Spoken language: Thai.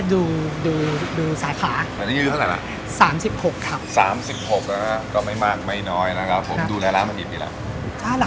ดูร้ายละมานี่ไหนล่ะ